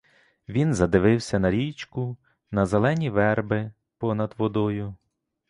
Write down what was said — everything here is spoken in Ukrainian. Він задивився на річку, на зелені верби понад водою.